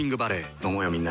飲もうよみんなで。